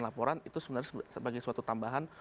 laporan itu sebenarnya sebagai suatu tambahan